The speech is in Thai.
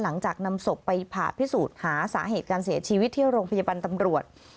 หลังจากนำศพไปผ่าพิสูจน์หาสาเหตุการเสียชีวิตที่โรงพยาบาลตำรวจ